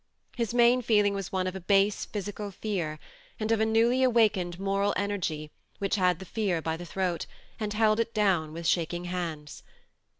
His main feeling was one of a base physical fear, and of a newly awakened moral energy which had the fear by the throat and held it down with shaking hands.